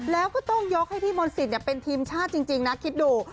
แล้วก็ต้องยกให้พี่มณศิษฐ์เนี่ยเป็นทีมชาติจริงนะคิดดู